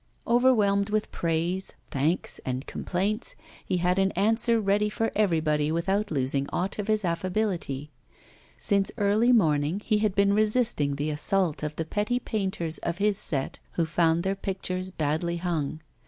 Overwhelmed with praise, thanks, and complaints, he had an answer ready for everybody without losing aught of his affability. Since early morning he had been resisting the assault of the petty painters of his set who found their pictures badly hung.